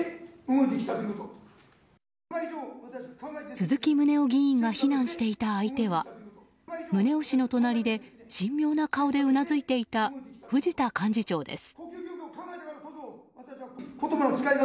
鈴木宗男議員が非難していた相手は宗男氏の隣で神妙な顔でうなずいていた藤田幹事長です。